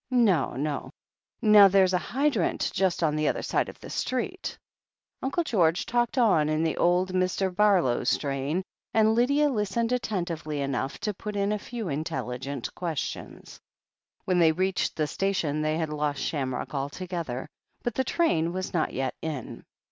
No, no. Now there's a hydrant just on the other side of the street " Uncle George talked on in the old Mr. Barlow strain, and Lydia listened attentively enough to put in a few intelligent questions. When they reached the station they had lost Sham rock altogether, but the train was not yet in.